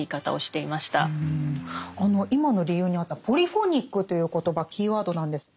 今の理由にあった「ポリフォニック」という言葉キーワードなんです。